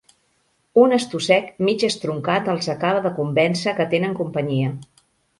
Un estossec mig estroncat els acaba de convèncer que tenen companyia.